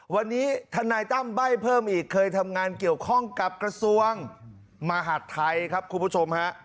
วันนี้ทนายตั้มใบ้เพิ่มอีกเคยทำงานเกี่ยวข้องกับกระทรวงมหาดไทยครับคุณผู้ชมฮะ